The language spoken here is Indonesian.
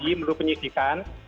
ini perlu penyelidikan